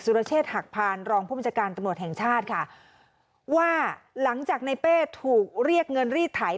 รเชษฐหักพานรองผู้บัญชาการตำรวจแห่งชาติค่ะว่าหลังจากในเป้ถูกเรียกเงินรีดไถ